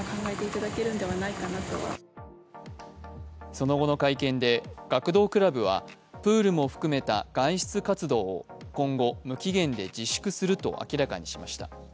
その後の会見で学童クラブはプールも含めた外出活動を今後、無期限で自粛すると明らかにしました。